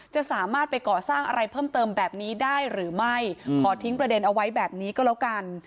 จะสามารถไปก่อสร้างอะไรเพิ่มเติมแบบนี้ได้หรือไม่ขอทิ้งประเด็นเอาไว้แบบนี้ก็แล้วกัน